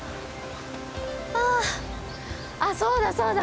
ああ、そうだそうだ。